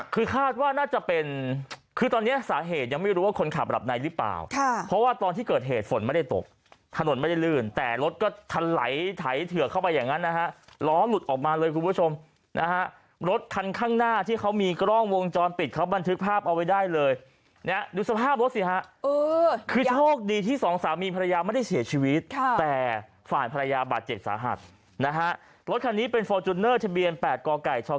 คือคาดว่าน่าจะเป็นคือตอนเนี้ยสาเหตุยังไม่รู้ว่าคนขับหลับในหรือเปล่าค่ะเพราะว่าตอนที่เกิดเหตุฝนไม่ได้ตกถนนไม่ได้ลื่นแต่รถก็ทันไหลไถเถือกเข้าไปอย่างงั้นนะฮะล้อหลุดออกมาเลยคุณผู้ชมนะฮะรถคันข้างหน้าที่เขามีกล้องวงจรปิดเขาบันทึกภาพเอาไว้ได้เลยเนี้ยดูสภาพรถสิฮะเออคือโ